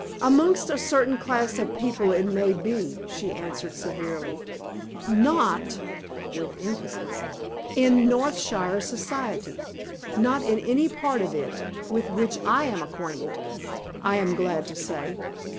"Amongst a certain class of people it may be," she answered, severely; "not" with emphasis "in Northshire society; not in any part of it with which I am acquainted, I am glad to say.